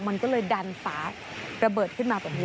มันก็เลยดันฝาระเบิดขึ้นมาแบบนี้